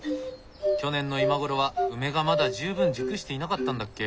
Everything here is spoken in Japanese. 去年の今頃は梅がまだ十分熟していなかったんだっけ。